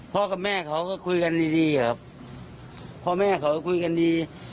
กับแม่เขาก็คุยกันดีดีครับพ่อแม่เขาก็คุยกันดี